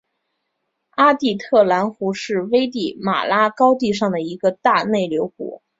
阿蒂特兰湖是危地马拉高地上的一个大内流湖。